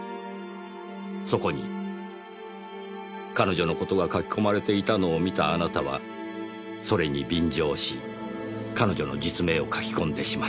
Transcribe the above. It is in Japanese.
そこに彼女の事が書き込まれていたのを見たあなたはそれに便乗し彼女の実名を書き込んでしまった。